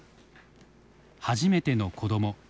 初めての子ども。